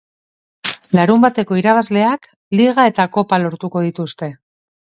Larunbateko irabazleak liga eta kopa lortuko lituzke.